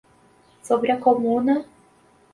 Sobre a Comuna